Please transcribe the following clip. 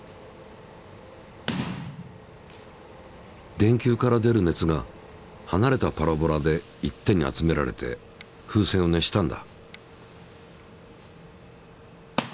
電球から出る熱が離れたパラボラで一点に集められて風船を熱したんだ。